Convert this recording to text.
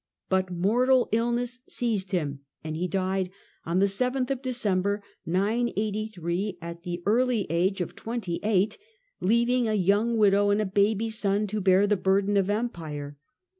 But mortal illness seized him, and he died on 7th December 983, at the early age of twenty eight, leaving a young widow and a baby son to bear the burden of empire.